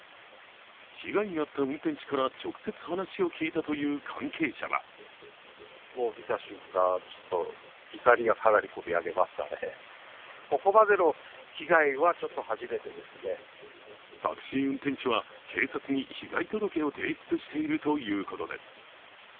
被害に遭った運転手から直接話を聞いたという関係者はタクシー運転手は警察に被害届を提出しているということです。